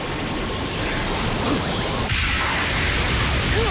うわ！